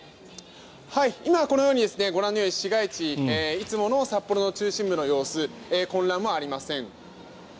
今はこのように市街地いつもの札幌の中心部の様子混乱もありません。